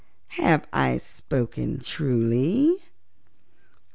Have I spoken truly?"